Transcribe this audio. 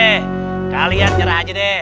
eh kalian nyerah aja deh